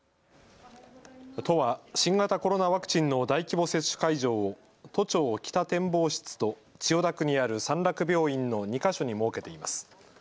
都は新型コロナワクチンの大規模接種会場を都庁北展望室と千代田区にある三楽病院の２か所に設けています。